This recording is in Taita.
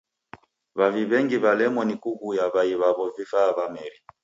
W'avi w'engi w'alemwa ni kuguya w'ai w'aw'o vifaa va meri.